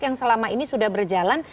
yang selama ini sudah berjalan